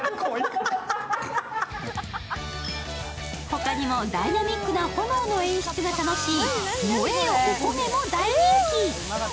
ほかにもダイナミックな炎の演出が楽しい燃えよおこげ！も大人気。